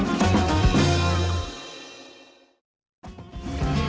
ganteng ganteng mas aris